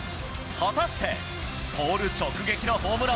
果たして、ポール直撃のホームラ